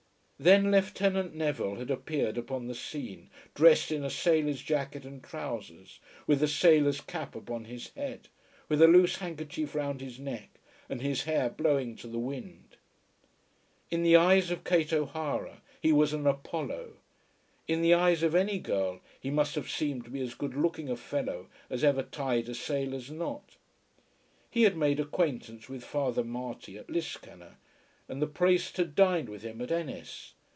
Then Lieutenant Neville had appeared upon the scene, dressed in a sailor's jacket and trowsers, with a sailor's cap upon his head, with a loose handkerchief round his neck and his hair blowing to the wind. In the eyes of Kate O'Hara he was an Apollo. In the eyes of any girl he must have seemed to be as good looking a fellow as ever tied a sailor's knot. He had made acquaintance with Father Marty at Liscannor, and the priest had dined with him at Ennis.